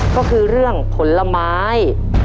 ก็คือเรื่องผลไม้